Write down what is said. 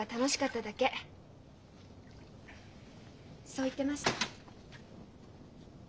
そう言ってました。